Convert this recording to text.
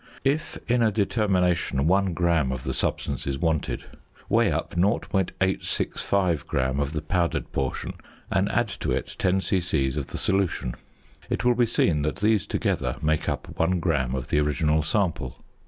If, in a determination, 1 gram of the substance is wanted, weigh up 0.865 gram of the powdered portion, and add to it 10 c.c. of the solution. It will be seen that these together make up 1 gram of the original sample.